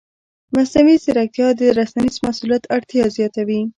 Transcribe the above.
مصنوعي ځیرکتیا د رسنیز مسؤلیت اړتیا زیاتوي.